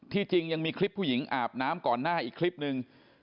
จริงยังมีคลิปผู้หญิงอาบน้ำก่อนหน้าอีกคลิปหนึ่ง